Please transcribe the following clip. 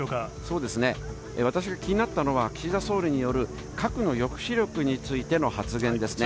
そうですね、私が気になったのは、岸田総理による核の抑止力についての発言ですね。